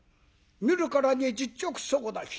見るからに実直そうな人。